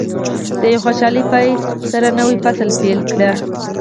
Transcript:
د یوه خوشاله پای سره نوی فصل پیل کړئ.